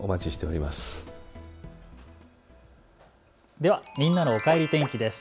ではみんなのおかえり天気です。